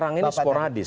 sekarang ini sporadis